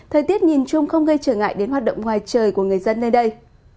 thời tiết nhìn chung không gây trở ngại đến hoạt động ngoài trời của người dân nơi đây